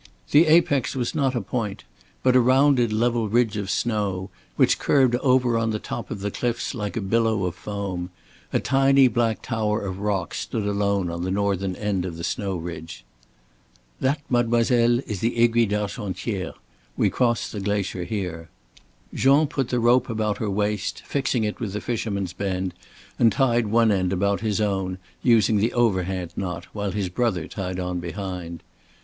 The apex was not a point but a rounded level ridge of snow which curved over on the top of the cliffs like a billow of foam. A tiny black tower of rock stood alone on the northern end of the snow ridge. "That, mademoiselle, is the Aiguille d'Argentière. We cross the glacier here." Jean put the rope about her waist, fixing it with the fisherman's bend, and tied one end about his own, using the overhand knot, while his brother tied on behind.